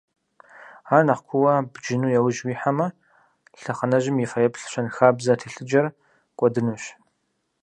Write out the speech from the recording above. Ар нэхъ куууэ бджыну яужь уихьэмэ, лъэхъэнэжьым и фэеплъ щэнхабзэ телъыджэр кӀуэдынущ.